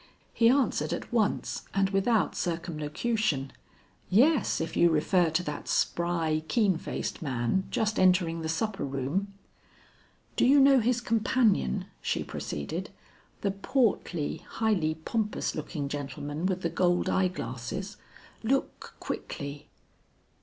He answered at once and without circumlocution. "Yes, if you refer to that spry keen faced man, just entering the supper room." "Do you know his companion?" she proceeded; "the portly, highly pompous looking gentleman with the gold eye glasses? Look quickly."